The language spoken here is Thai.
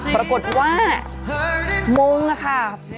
ปรากฏว่ามุ้งนะคะ